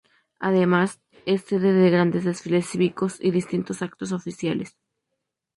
Además, es sede de grandes desfiles cívicos y distintos actos oficiales.